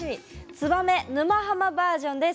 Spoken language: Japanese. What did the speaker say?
「ツバメ沼ハマバージョン」です。